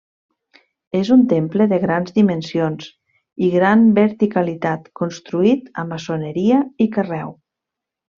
És un temple de grans dimensions i gran verticalitat construït a maçoneria i carreu.